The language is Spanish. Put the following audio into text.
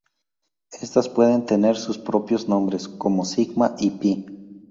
Estas pueden tener sus propios nombres, como sigma y pi.